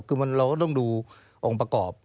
คือเราก็ต้องดูองค์ประกอบ